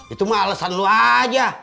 itu mah alesan lo aja